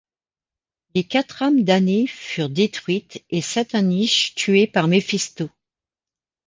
Les quatre âmes damnées furent détruites, et Satannish tué par Méphisto.